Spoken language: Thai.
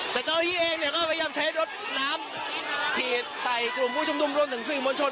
แต่เจ้าที่เองเนี่ยก็พยายามใช้รถน้ำฉีดใส่กลุ่มผู้ชุมนุมรวมถึงสื่อมวลชน